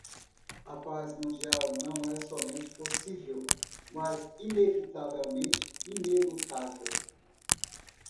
A paz mundial não é somente possível, mas inevitavelmente inelutável.